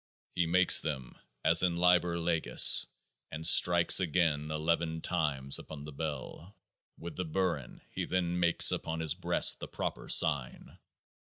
He makes them as in Liber Legis, and strikes again Eleven times upon the Bell. With the Burin he then makes upon his breast the proper sign.